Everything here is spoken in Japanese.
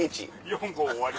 ４・５終わり。